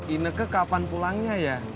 ineke kapan pulangnya ya